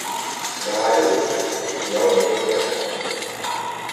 V Rádiu Twist vysílal několik relací.